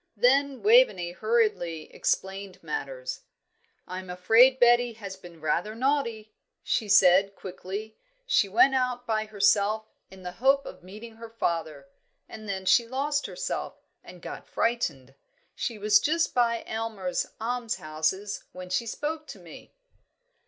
Then Waveney hurriedly explained matters. "I am afraid Betty has been rather naughty," she said, quickly. "She went out by herself in the hope of meeting her father. And then she lost herself, and got frightened. She was just by Aylmer's Almshouses when she spoke to me."